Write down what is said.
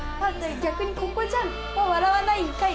逆にここじゃ笑わないんかい！